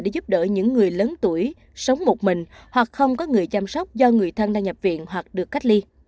để giúp đỡ những người lớn tuổi sống một mình hoặc không có người chăm sóc do người thân đang nhập viện hoặc được cách ly